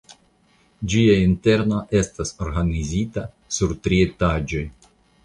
Ĝia interno estas organizita sur tri etaĝoj.